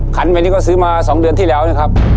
ขันใบนี้ก็ซื้อมา๒เดือนที่แล้วนะครับ